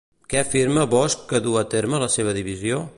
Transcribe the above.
Què afirma Bosch que duu a terme la seva divisió?